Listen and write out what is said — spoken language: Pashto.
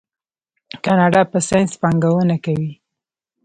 کاناډا په ساینس پانګونه کوي.